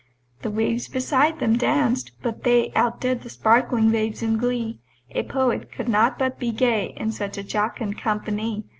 The waves beside them danced; but they Out did the sparkling waves in glee: A Poet could not but be gay In such a jocund company!